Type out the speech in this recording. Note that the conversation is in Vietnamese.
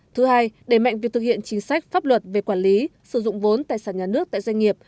thứ hai đẩy mạnh việc thực hiện chính sách pháp luật về quản lý sử dụng vốn tài sản nhà nước tại doanh nghiệp